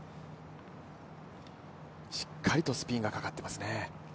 しっかりとスピンがかかっていますね。